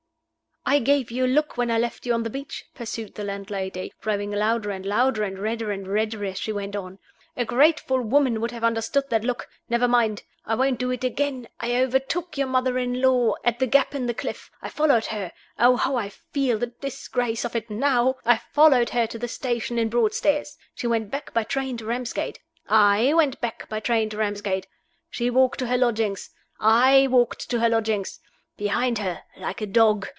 "I gave you a look when I left you on the beach," pursued the landlady, growing louder and louder and redder and redder as she went on. "A grateful woman would have understood that look. Never mind! I won't do it again I overtook your mother in law at the gap in the cliff. I followed her oh, how I feel the disgrace of it now! I followed her to the station at Broadstairs. She went back by train to Ramsgate. I went back by train to Ramsgate. She walked to her lodgings. I walked to her lodgings. Behind her. Like a dog.